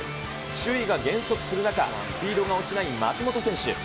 周囲が減速する中、スピードが落ちない松元選手。